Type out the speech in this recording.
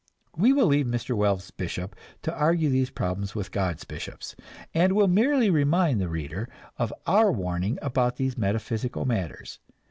We will leave Mr. Wells' bishop to argue these problems with God's bishops, and will merely remind the reader of our warning about these metaphysical matters.